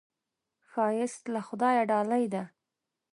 ښایست له خدایه ډالۍ ده